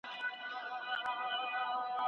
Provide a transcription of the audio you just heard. چې پرواز په بدخشان کړې